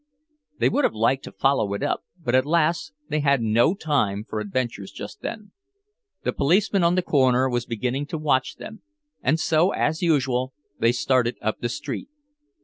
They would have liked to follow it up, but, alas, they had no time for adventures just then. The policeman on the corner was beginning to watch them; and so, as usual, they started up the street.